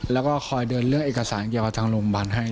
แล้วก็คอยเดินเรื่องเอกสารเกี่ยวกับทางโรงพยาบาลให้